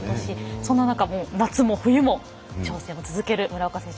そんな中、夏も冬も挑戦を続ける村岡選手